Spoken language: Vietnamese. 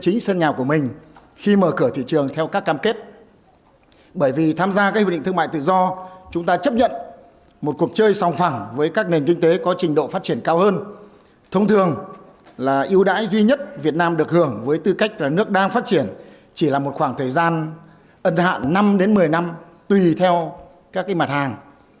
năm một mươi năm tùy theo các mặt hàng